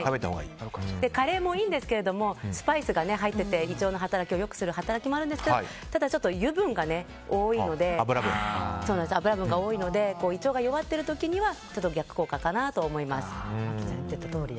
カレーもいいんですけれどもスパイスが入っていて胃腸の働きをよくするんですけどただ、油分が多いので胃腸が弱っている時にはちょっと逆効果かなと思います。